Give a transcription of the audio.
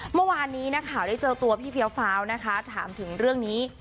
เมื่อวานนี้นักข่าวได้เจอตัวพี่เฟี้ยวฟ้าวนะคะถามถึงเรื่องนี้